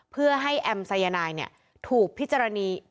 เพื่อให้แอมร์ทรายยานายเนี่ยถูกพิจารณี